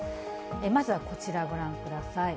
まずはこちら、ご覧ください。